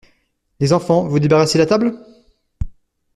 Les enfants, vous débarrassez la table?